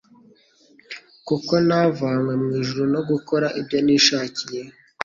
« Kuko ntavariywe mu ijuru no gukora ibyo nishakiye,